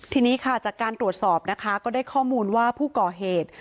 ทีนี้ค่ะจากการตรวจสอบนะคะก็ได้ข้อมูลว่าผู้ก่อเหตุ